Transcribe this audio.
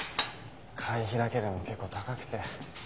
会費だけでも結構高くて。